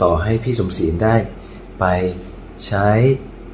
แล้ววันนี้ผมมีสิ่งหนึ่งนะครับเป็นตัวแทนกำลังใจจากผมเล็กน้อยครับ